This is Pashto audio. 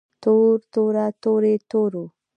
تور توره تورې تورو